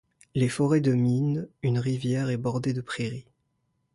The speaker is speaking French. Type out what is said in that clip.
Les forêts dominent, une rivière est bordée de prairies.